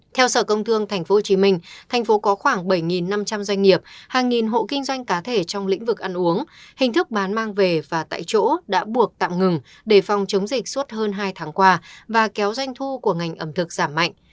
theo sở công thương tp hcm thành phố có khoảng bảy năm trăm linh doanh nghiệp hàng nghìn hộ kinh doanh cá thể trong lĩnh vực ăn uống hình thức bán mang về và tại chỗ đã buộc tạm ngừng để phòng chống dịch suốt hơn hai tháng qua và kéo doanh thu của ngành ẩm thực giảm mạnh